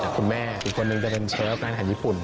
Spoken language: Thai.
คุณแม่อีกคนนึงจะเป็นเชฟร้านอาหารญี่ปุ่น